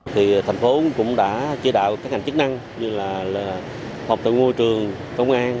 thì thành phố cũng đã chế đạo các hành chức năng như là học tại ngôi trường công an